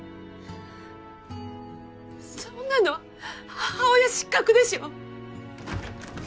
そんなの母親失格でしょ。